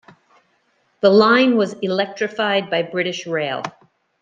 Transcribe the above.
The line was electrified by British Rail.